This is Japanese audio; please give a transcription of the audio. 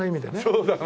そうだね。